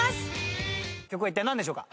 曲は一体なんでしょうか？